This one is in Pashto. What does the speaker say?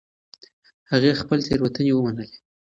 هغه خپلې تېروتنې ومنلې.